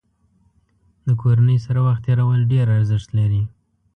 د کورنۍ سره وخت تېرول ډېر ارزښت لري.